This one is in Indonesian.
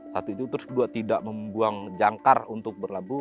satu itu terus kedua tidak membuang jangkar untuk berlabuh